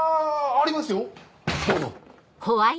ありますよどうぞ。